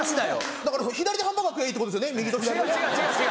だから左でハンバーガー食やぁいいってことですよね